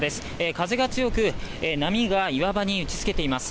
風が強く波が岩場に打ちつけています。